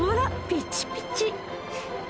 ピチピチ！